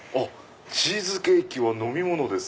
「チーズケーキはのみものです